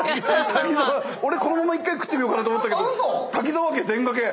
俺このまま１回食ってみようかと思ったけど滝沢家全がけ。